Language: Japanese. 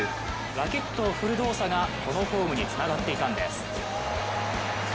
ラケットを振る動作がこのフォームにつながっていたんです。